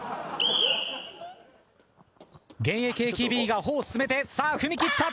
現役ＡＫＢが歩を進めてさあ踏み切った。